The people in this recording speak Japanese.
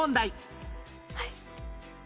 はい。